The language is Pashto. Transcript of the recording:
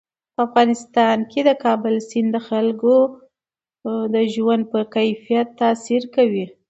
په افغانستان کې د کابل سیند د خلکو د ژوند په کیفیت تاثیر کوي.